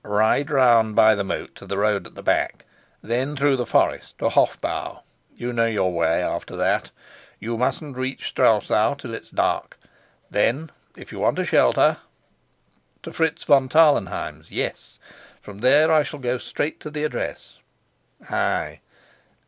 "Ride round by the moat to the road at the back; then through the forest to Hofbau; you know your way after that. You mustn't reach Strelsau till it's dark. Then, if you want a shelter " "To Fritz von Tarlenheim's, yes! From there I shall go straight to the address." "Ay.